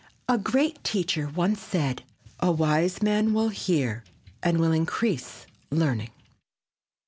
A great teacher once said, "A wise man will hear and will increase learning."